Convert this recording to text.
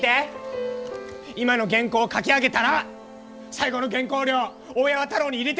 今の原稿書き上げたら最後の原稿料大八幡楼に入れてくる！